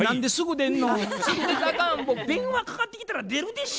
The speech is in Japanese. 電話かかってきたら出るでしょ？